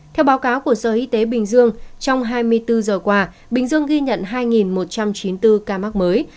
theo báo cáo của sở y tế bình dương trong hai mươi bốn giờ qua bình dương ghi nhận hai một trăm chín mươi bốn ca mắc mới